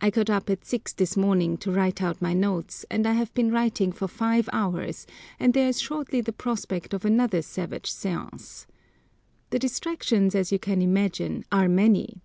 I got up at six this morning to write out my notes, and have been writing for five hours, and there is shortly the prospect of another savage séance. The distractions, as you can imagine, are many.